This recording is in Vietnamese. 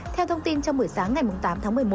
theo thông tin trong buổi sáng ngày tám tháng một mươi một